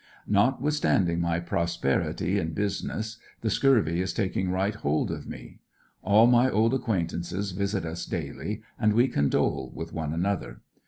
Notwithstanding my prosperity in business the scurvy is taking right hold of me. All my old acquaintances visit us daily and we condole with one another.